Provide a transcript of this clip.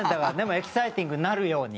エキサイティングになるように。